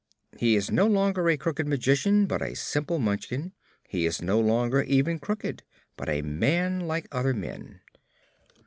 He is no longer a crooked magician, but a simple Munchkin; he is no longer even crooked, but a man like other men."